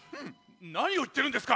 なにをいってるんですか！